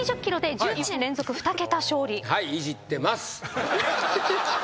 はいいじってます。